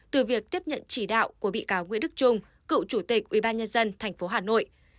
từ việc tiếp nhận chỉ đạo của bị cáo nguyễn đức trung cựu chủ tịch ubnd tp hà nội